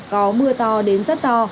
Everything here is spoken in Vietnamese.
có mưa to đến rất to